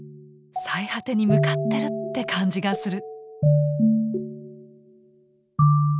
最果てに向かってるって感じがする。